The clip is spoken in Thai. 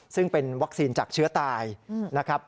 ซึ่งเป็นวัคซีนจากเชื้อตายนะครับ